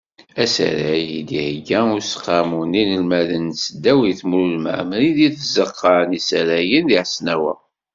Asarag i d-ihegga Useqqamu n yinelmaden n tesdawit Mulud Mɛemmri deg tzeqqa n yisaragen di Hesnawa.